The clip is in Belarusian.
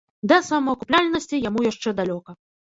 Да самаакупляльнасці яму яшчэ далёка.